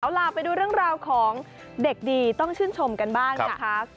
เอาล่ะไปดูเรื่องราวของเด็กดีต้องชื่นชมกันบ้างนะคะ